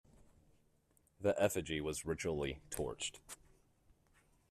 The effigy was ritually torched.